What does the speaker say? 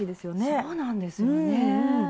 そうなんですよねえ。